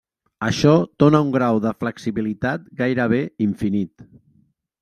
Això dóna un grau de flexibilitat gairebé infinit.